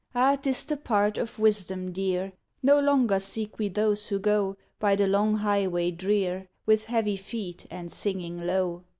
Ah, 'tis the part of wisdom, dear; No longer seek we those who go By the long highway drear, With heavy feet and singing low.